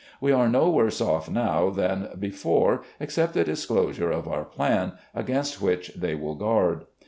We are no worse off now than before, except the disclosure of our plan, against which they will guard.